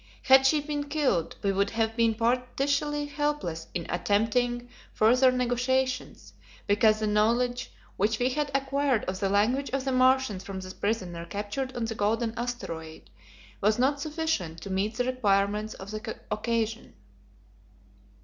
Had she been killed, we would have been practically helpless in attempting further negotiations, because the knowledge which we had acquired of the language of the Martians from the prisoner captured on the golden asteroid, was not sufficient to meet the requirements of the occasion.